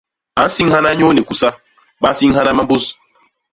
A nsiñhana nyuu ni kusa; ba nsiñhana mambus.